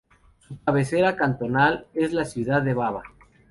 Su cabecera cantonal es la ciudad de Baba.